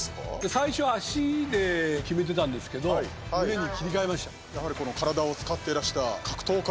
最初は足で決めてたんですけど胸に切り替えました。